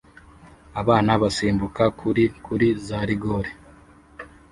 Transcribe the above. Abana basimbuka kuri kuri za rigore